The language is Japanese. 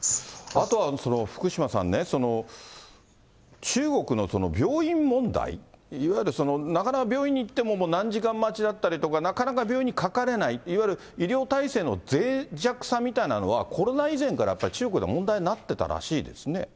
それと同じことがさらに極端になあとは福島さんね、中国の病院問題、いわゆる、なかなか病院に行っても、何時間待ちだったりとか、なかなか病院にかかれない、いわゆる医療体制のぜい弱さみたいなのは、コロナ以前からやっぱり中国では問題になってたらしい